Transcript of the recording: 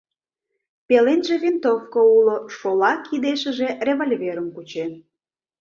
Пеленже винтовко уло, шола кидешыже револьверым кучен.